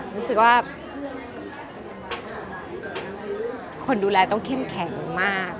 รู้สึกว่าคนดูแลต้องเข้มแข็งมาก